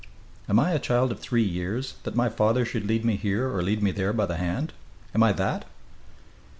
"Am I a child of three years, that my father should lead me here or lead me there by the hand? Am I that?"